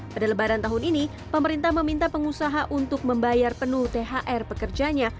pada lebaran tahun ini pemerintah meminta pengusaha untuk membayar penuh thr pekerjanya